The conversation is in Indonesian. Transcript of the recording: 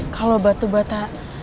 kalau batu bata